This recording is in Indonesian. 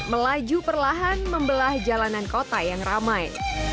melaju perlahan membelah jalanan kota yang ramai